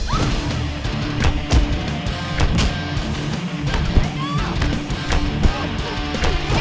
masa besi gue